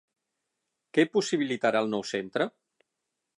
Què possibilitarà el nou centre?